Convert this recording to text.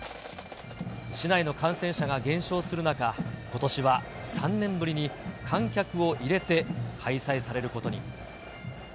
市内の感染者が減少する中、ことしは３年ぶりに観客を入れて開催されることに。